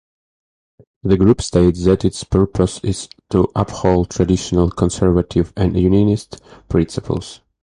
The group states that its purpose is to uphold traditional conservative and Unionist principles.